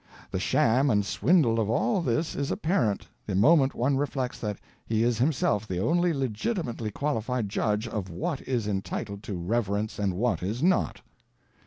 The sham and swindle of all this is apparent the moment one reflects that he is himself the only legitimately qualified judge of what is entitled to reverence and what is not.